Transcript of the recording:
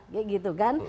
kayak gitu kan